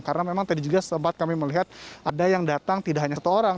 karena memang tadi juga sempat kami melihat ada yang datang tidak hanya satu orang